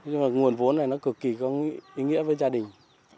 nhưng mà nguồn vốn này nó cực kỳ có ý nghĩa với gia đình